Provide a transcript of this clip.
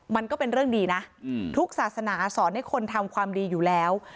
มันก็เป็นเรื่องดีนะทุกศาสนาสอนให้คนทำความดีอยู่แล้ว